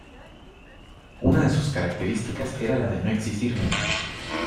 Una de sus características era la de no existir menú.